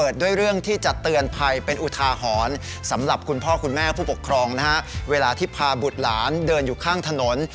เดินอยู่ข้างถนน